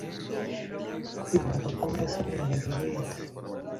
Kwimuka kw'amasahani hejuru yisi